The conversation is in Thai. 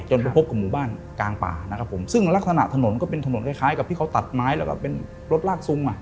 ไปพบกับหมู่บ้านกลางป่านะครับผมซึ่งลักษณะถนนก็เป็นถนนคล้ายกับที่เขาตัดไม้แล้วก็เป็นรถลากซุ้งอ่ะ